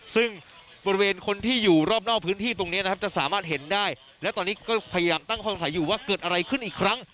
ซึ่งบริเวณคนที่อยู่รอบนอกพื้นที่ตรงนี้นะครับจะสามารถเห็นได้และตอนนี้ก็พยายามตั้งข้อสงสัยอยู่ว่าเกิดอะไรขึ้นอีกครั้ง